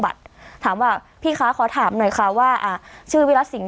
ถามว่าพี่คะขอถามหน่อยค่ะว่าอ่าชื่อวิรัติสิงห